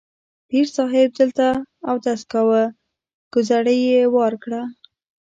پیر صاحب دلته اودس کاوه، کوزړۍ یې وار کړه.